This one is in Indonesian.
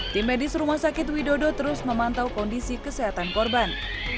tim medis rumah sakit widodo terus memantau kondisi kesehatan korban